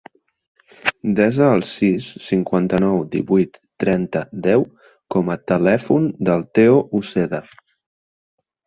Desa el sis, cinquanta-nou, divuit, trenta, deu com a telèfon del Theo Uceda.